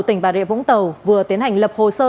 tỉnh bà rịa vũng tàu vừa tiến hành lập hồ sơ